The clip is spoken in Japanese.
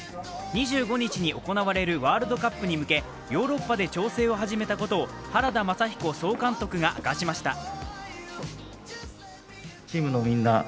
２５日に行われるワールドカップに向けヨーロッパで調整を始めたことを原田雅彦総監督が明かしました。